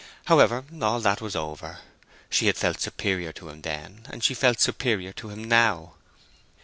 However, all that was over. She had felt superior to him then, and she felt superior to him now.